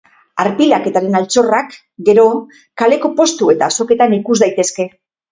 Arpilaketaren altxorrak, gero, kaleko postu eta azoketan ikus daitezke.